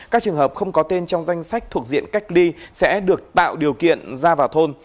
các trường hợp không có tên trong danh sách thuộc diện cách ly sẽ được tạo điều kiện ra vào thôn